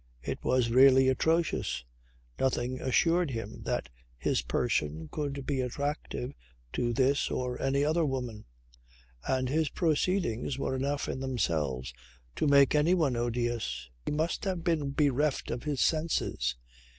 It was really atrocious. Nothing assured him that his person could be attractive to this or any other woman. And his proceedings were enough in themselves to make anyone odious. He must have been bereft of his senses.